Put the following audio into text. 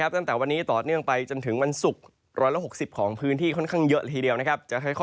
ตั้งแต่วันนี้จนถึงวันศุกร์๑๖๐วันของพื้นที่ขนข้างเยอะนี้